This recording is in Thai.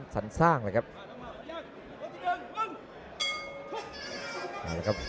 สันสร้างเลยครับ